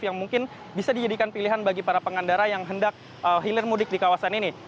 yang mungkin bisa dijadikan pilihan bagi para pengendara yang hendak hilir mudik di kawasan ini